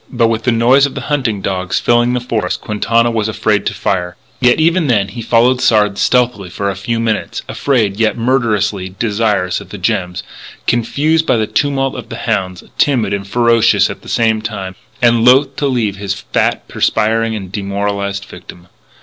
But with the noise of the hunting dogs filling the forest, Quintana was afraid to fire. Yet, even then he followed Sard stealthily for a few minutes, afraid yet murderously desirous of the gems, confused by the tumult of the hounds, timid and ferocious at the same time, and loath to leave his fat, perspiring, and demoralised victim.